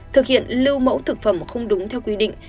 thực hiện lưu mẫu thực phẩm không đúng theo quy định